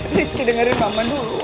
rizky dengerin mama dulu